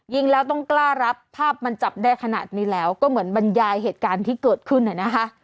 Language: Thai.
ยิงแล้วต้องกล้ารับภาพมันจับได้ขนาดนี้แล้วก็เหมือนบรรยายเหตุการณ์ที่เกิดขึ้นนะคะ